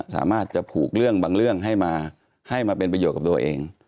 สามารถจะผูกเรื่องบางเรื่องให้มาให้มาเป็นประโยชน์กับตัวเอง